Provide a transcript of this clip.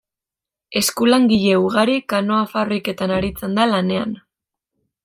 Eskulangile ugari kanoa fabriketan aritzen da lanean.